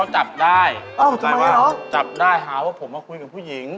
จับได้หาว่าผมมาคุยกับผู้หญิง